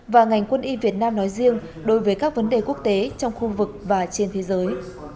và ngành quân y việt nam nói riêng đối với các vấn đề quốc tế trong khu vực và trên thế giới